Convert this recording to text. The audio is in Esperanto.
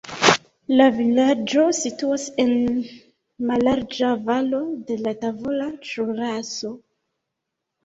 La vilaĝo situas en mallarĝa valo de la Tavola Ĵuraso.